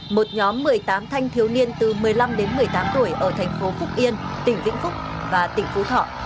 một nhóm một mươi tám thanh thiếu niên từ một mươi năm đến một mươi tám tuổi ở thành phố phúc yên tỉnh vĩnh phúc và tỉnh phú thọ